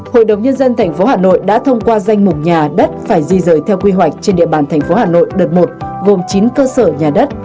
hội đồng nhân dân tp hcm đã thông qua danh mục nhà đất phải di rời theo quy hoạch trên địa bàn tp hcm đợt một gồm chín cơ sở nhà đất